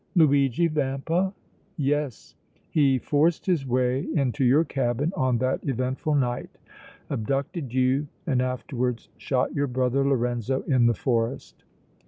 "Luigi Vampa?" "Yes. He forced his way into your cabin on that eventful night, abducted you and afterwards shot your brother Lorenzo in the forest."